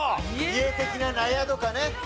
家的な納屋とかね。